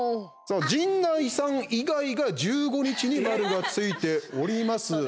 陣内さん以外が１５日に丸がついております。